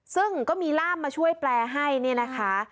ซึ่งก็มีร่ามมาช่วยแปลให้เนี่ยนะคะ